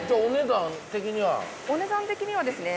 お値段的にはですね。